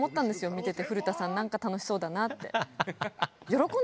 見てて古田さん何か楽しそうだなって。